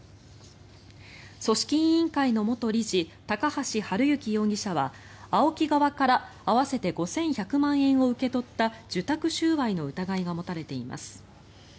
組織委員会の元理事高橋治之容疑者はＡＯＫＩ側から合わせて５１００万円を受け取った受託収賄の疑いが持たれています。